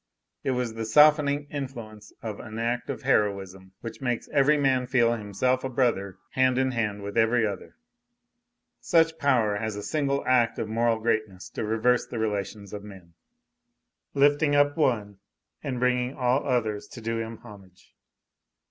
It was the softening influence of an act of heroism, which makes every man feel himself a brother hand in hand with every other; such power has a single act of moral greatness to reverse the relations of men, lifting up one, and bringing all others to do him homage.